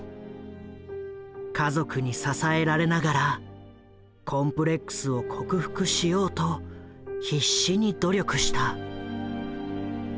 家族に支えられながらコンプレックスを克服しようと必死に努力した。